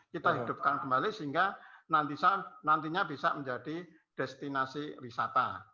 kita hidupkan kembali sehingga nantinya bisa menjadi destinasi wisata